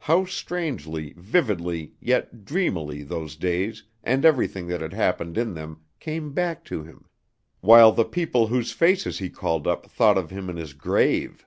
How strangely, vividly, yet dreamily those days and everything that had happened in them came back to him, while the people whose faces he called up thought of him in his grave!